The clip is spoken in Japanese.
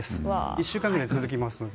１週間ぐらい続きます。